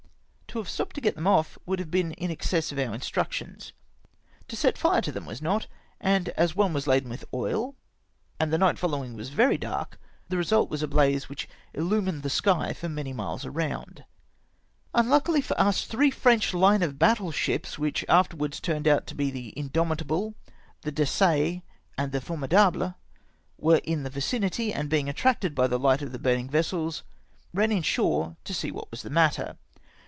To have stopped to get them off would have been in excess of our instructions. To set fire to them was not, and as one was laden with oil, and the night following very dark, the result was a blaze which illumined the sky for many miles round. Unluckily for us, three French hne of battle ships, which afterwards turned out to be the Indomitable, the Dessaix, and the Formidable, were in the vicinity, and being attracted by the hght of the burnhig vessels, ran in shore to see what was the matter.